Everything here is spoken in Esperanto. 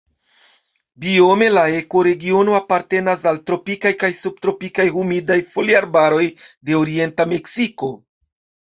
Biome la ekoregiono apartenas al tropikaj kaj subtropikaj humidaj foliarbaroj de orienta Meksiko.